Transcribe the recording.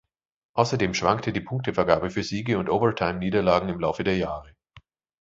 Außerdem schwankte die Punktevergabe für Siege und Overtime-Niederlagen im Laufe der Jahre.